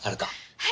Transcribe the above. はい！